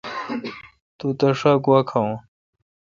تو تس شا گوا کھاوون۔